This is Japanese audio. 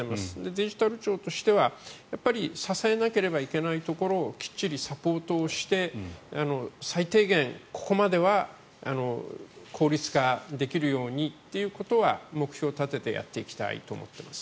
デジタル庁としては支えなければいけないところをきっちりサポートをして最低限ここまでは効率化できるようにっていうことは目標を立ててやっていきたいと思っています。